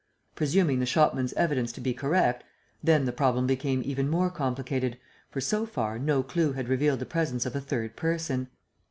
Presuming the shopman's evidence to be correct, then the problem became even more complicated, for, so far, no clue had revealed the presence of a third person.